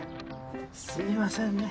すいませんね。